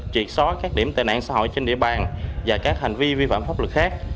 triệt xóa các điểm tệ nạn xã hội trên địa bàn và các hành vi vi phạm pháp luật khác